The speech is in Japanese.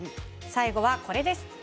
最後は、これです。